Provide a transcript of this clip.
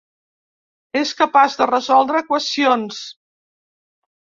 És capaç de resoldre equacions.